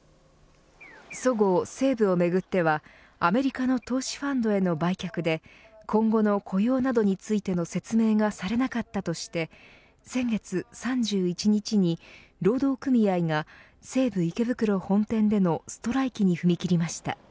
そごう・西武をめぐってはアメリカの投資ファンドへの売却で今後の雇用などについての説明がされなかったとして先月３１日に労働組合が西武池袋本店でのストライキに踏み切りました。